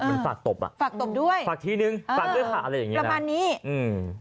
คือคุณฝากตบฝากที่นึงฝากด้วยค่ะอะไรอย่างนี้นะประมาณนี้อืม